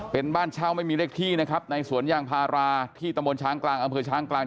เป็นบ้านเช้าไม่มีเลขที่นะครับในสวนย่างพาราที่ตมชกลางอชกลาง